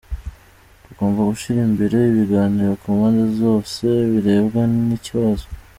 Tugomba gushyira imbere ibiganiro ku mpande zose zirebwa n’ikibazo.